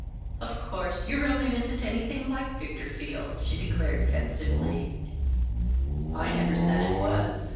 "Of course, your real name isn't anything like Victor Field," she declared, pensively. "I never said it was.